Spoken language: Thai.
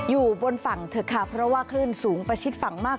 อยู่บนฝั่งเถอะค่ะเพราะว่าคลื่นสูงประชิดฝั่งมาก